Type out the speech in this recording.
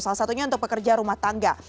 salah satunya untuk pekerja rumah tangga